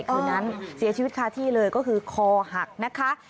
คืนนั้นเสียชีวิตคาที่เลยก็คือคอหักนะคะ